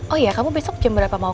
oh iya kamu besok jam berapa mau